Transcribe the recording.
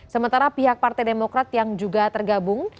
sementara pihak partai demokrat yang juga tergabung